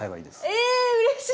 えうれしい！